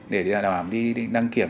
để đảm bảo đi đăng kiểm